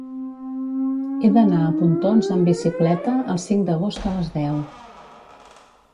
He d'anar a Pontons amb bicicleta el cinc d'agost a les deu.